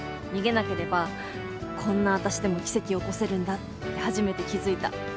逃げなければこんな私でも奇跡起こせるんだって初めて気付いた。